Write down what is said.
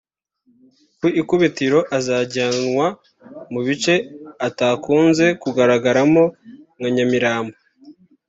Ku ikubitiro azajyanwa mu bice atakunze kugaragaramo nka Nyamirambo